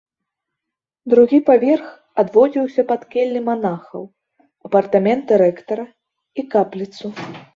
Другі паверх адводзіўся пад келлі манахаў, апартаменты рэктара і капліцу.